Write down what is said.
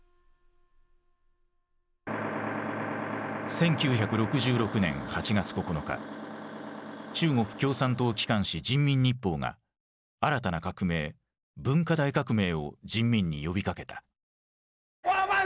１９６６年８月９日中国共産党機関紙「人民日報」が新たな革命「文化大革命」を人民に呼びかけた。